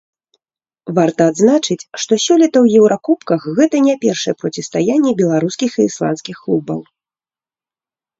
Варта адзначыць, што сёлета ў еўракубках гэта не першае процістаянне беларускіх і ісландскіх клубаў.